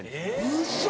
ウソ！